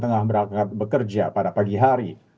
tengah berangkat bekerja pada pagi hari